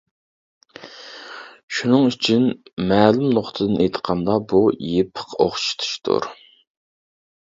شۇنىڭ ئۈچۈن مەلۇم نۇقتىدىن ئېيتقاندا، بۇ يېپىق ئوخشىتىشتۇر.